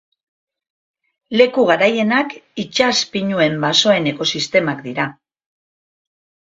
Leku garaienak itsas pinuen basoen ekosistemak dira.